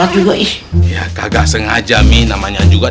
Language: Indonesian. juga kagak sengaja mi namanya juga